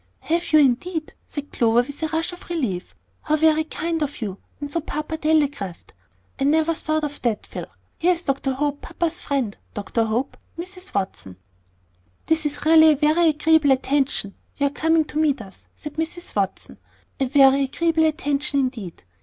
"Have you, indeed?" said Clover, with a rush of relief. "How very kind of you! And so papa telegraphed! I never thought of that. Phil, here is Dr. Hope, papa's friend; Dr. Hope, Mrs. Watson." "This is really a very agreeable attention, your coming to meet us," said Mrs. Watson; "a very agreeable attention indeed.